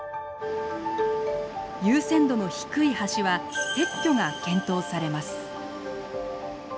優先度の低い橋は撤去が検討されます。